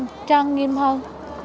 hoàn trang nghiêm hơn